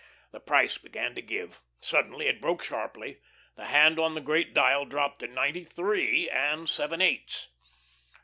The price began to give. Suddenly it broke sharply. The hand on the great dial dropped to ninety three and seven eighths.